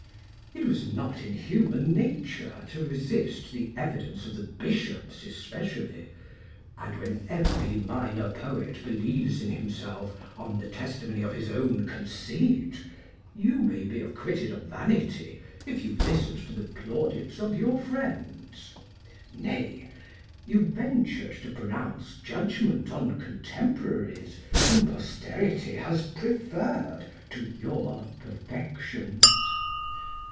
It was not in human nature to resist the evidence of the bishops especially, and when every minor poet believes in himself on the testimony of his own conceit, you may be acquitted of vanity if you listened to the plaudits of your friends. Nay, you ventured to pronounce judgment on contemporaries whom Posterity has preferred to your perfections.